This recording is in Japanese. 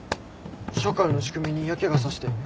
社会の仕組みに嫌気が差して。